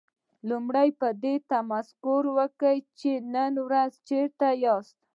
لومړی په دې تمرکز وکړئ چې نن ورځ چېرته ياستئ.